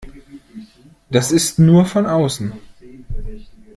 Das ist nur von außen.